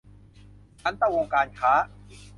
สันตะวงศ์การค้า